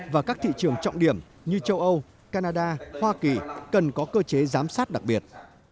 và các thị trường trọng điểm như châu âu canada hoa kỳ cần có cơ chế giám sát đặc biệt